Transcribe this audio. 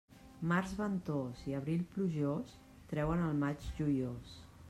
Març ventós i abril plujós treuen el maig joiós.